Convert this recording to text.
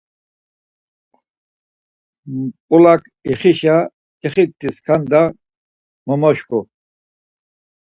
Mpulak ixişa, İxikti skanda momoşku.